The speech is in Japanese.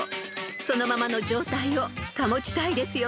［そのままの状態を保ちたいですよね］